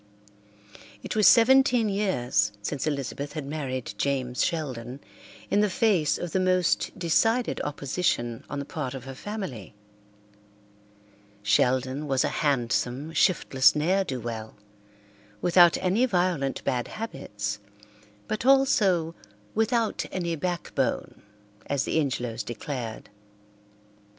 It was seventeen years since Elizabeth had married James Sheldon in the face of the most decided opposition on the part of her family. Sheldon was a handsome, shiftless ne'er do well, without any violent bad habits, but also "without any backbone," as the Ingelows declared.